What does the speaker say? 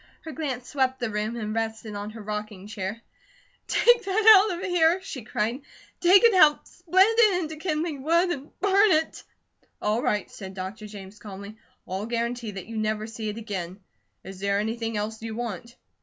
Her glance swept the room, and rested on her rocking chair. "Take that out of here!" she cried. "Take it out, split it into kindling wood, and burn it." "All right," said Dr. James calmly. "I'll guarantee that you never see it again. Is there anything else you want?"